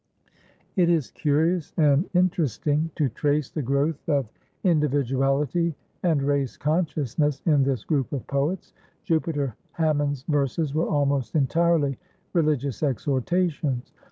It is curious and interesting to trace the growth of individuality and race consciousness in this group of poets. Jupiter Hammon's verses were almost entirely religious exhortations.